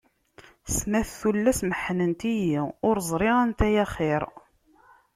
Snat tullas meḥḥnent-iyi, ur ẓriɣ anta ay axir.